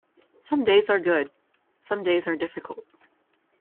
Some days are good, somedays are difficult.